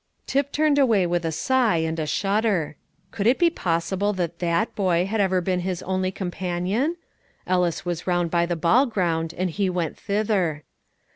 Tip turned away with a sigh and a shudder. Could it be possible that that boy had ever been his only companion? Ellis was round by the ball ground, and he went thither.